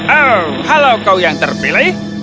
oh kalau kau yang terpilih